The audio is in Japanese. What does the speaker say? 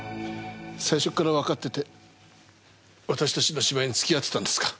最初からわかってて私たちの芝居に付き合ってたんですか？